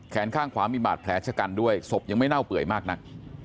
ข้างขวามีบาดแผลชะกันด้วยศพยังไม่เน่าเปื่อยมากนัก